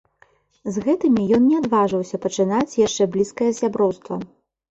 З гэтымі ён не адважваўся пачынаць яшчэ блізкае сяброўства.